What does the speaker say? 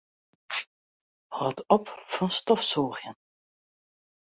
Hâld op fan stofsûgjen.